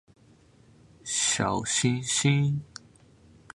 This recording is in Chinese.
小行星